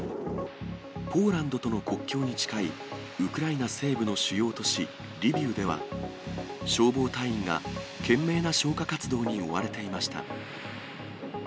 ポーランドとの国境に近いウクライナ西部の主要都市リビウでは、消防隊員が懸命な消火活動に追われていました。